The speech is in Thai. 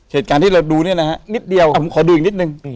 เหตุการณ์ที่เราดูเนี่ยนะฮะนิดเดียวผมขอดูอีกนิดนึง